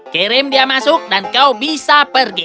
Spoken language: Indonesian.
kirim dia masuk dan kau bisa pergi